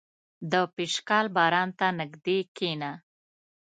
• د پشکال باران ته نږدې کښېنه.